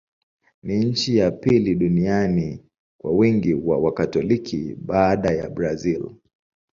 Ni nchi ya pili duniani kwa wingi wa Wakatoliki, baada ya Brazil.